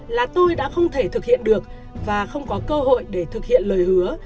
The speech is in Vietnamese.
là tôi đã không thể thực hiện được và không có cơ hội để thực hiện lời hứa